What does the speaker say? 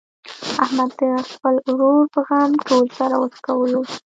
احمد د خپل ورور په غم ټول سر و شکولو.